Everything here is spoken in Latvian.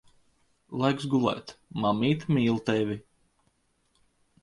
Laiks gulēt. Mammīte mīl tevi.